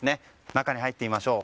中に入ってみましょう。